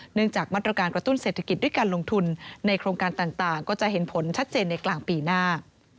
จากมาตรการกระตุ้นเศรษฐกิจด้วยการลงทุนในโครงการต่างก็จะเห็นผลชัดเจนในกลางปีหน้า